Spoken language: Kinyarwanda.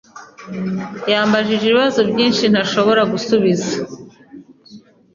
yambajije ibibazo byinshi ntashobora gusubiza.